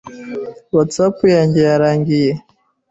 Whatsapp yanjye yarangiye